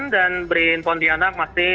dan berin pontianak masih